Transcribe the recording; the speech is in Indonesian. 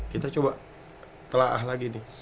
kita coba telah lagi